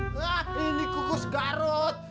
wah ini kukus garut